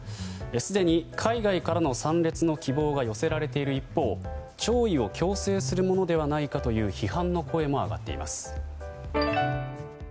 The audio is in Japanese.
すでに海外からの参列の希望が寄せられている一方弔意を強制するものではないかという批判の声も上がっています。